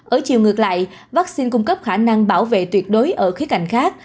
ở chiều ngược lại vaccine cung cấp khả năng bảo vệ tuyệt đối ở khía cạnh khác